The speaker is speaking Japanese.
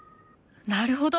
なるほど。